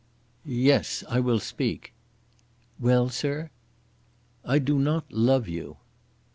"Yes; I will speak." "Well, sir!" "I do not love you."